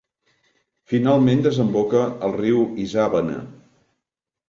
Finalment desemboca en el riu Isàvena.